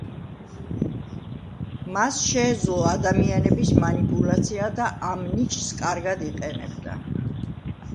მას შეეძლო ადამიანების მანიპულაცია და ამ ნიჭს კარგად იყენებდა.